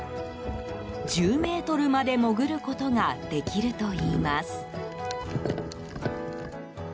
１０ｍまで潜ることができるといいます。